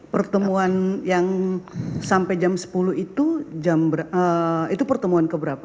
pertemuan yang sampai jam sepuluh itu pertemuan keberapa